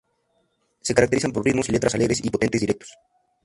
Se caracterizan por ritmos y letras alegres y potentes directos.